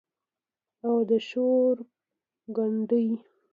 او د شور ګنډي